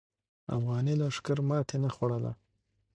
افغاني لښکر ماتې نه خوړله.